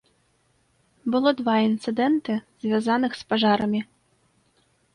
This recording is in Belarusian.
Было два інцыдэнты, звязаных з пажарамі.